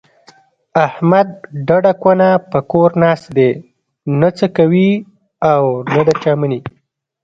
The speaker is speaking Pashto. احمد ډډه کونه په کور ناست دی، نه څه کوي نه د چا مني.